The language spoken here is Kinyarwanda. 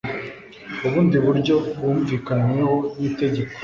ubundi buryo bwumvikanyweho n inteko